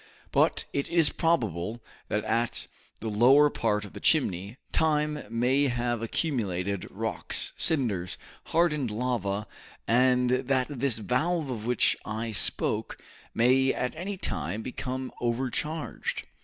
But it is probable that at the lower part of the chimney, time may have accumulated rocks, cinders, hardened lava, and that this valve of which I spoke, may at any time become overcharged.